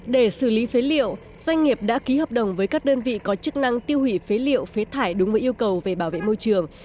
để xử lý phế liệu doanh nghiệp đã ký hợp đồng với các đơn vị có chức năng tiêu hủy phế liệu phế thải đúng với yêu cầu về bảo vệ môi trường